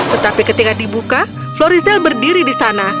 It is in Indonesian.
tetapi ketika dibuka florizel berdiri di sana